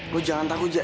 lo jangan takut jak